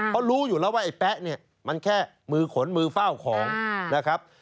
เขารู้อยู่แล้วว่าไอ้แป๊ะเนี่ยมันแค่มือขนมือเฝ้าของนะครับ